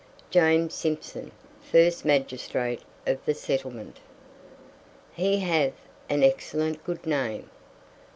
JAMES SIMPSON, FIRST MAGISTRATE OF "THE SETTLEMENT." "He hath an excellent good name."